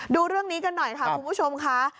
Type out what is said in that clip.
ดูเรื่องนี้กันหน่อยค่ะคุณผู้ชมค่ะ